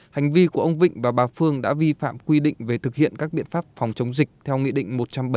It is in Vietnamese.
hành vi của ông vịnh và bà phương đã vi phạm quy định về thực hiện các biện pháp phòng chống dịch theo nghị định một trăm bảy mươi tám